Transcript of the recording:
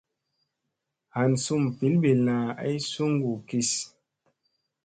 Han sum ɓilɓilla ay suŋgu kis.